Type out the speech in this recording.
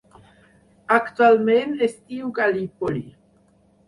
Actualment es diu Gallipoli.